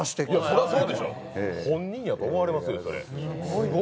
そらそうでしょう、本人だと思われますよ。